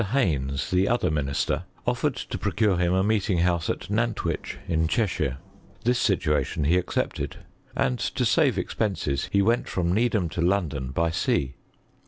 Haynes, the other minister, offered to pro cure him a meeting house at Nantwich in Cheshire. This situation he accepted, and, to save expenses, he went from Needham to London by sea.